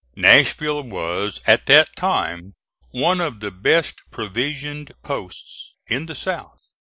Nashville was, at that time, one of the best provisioned posts in the South.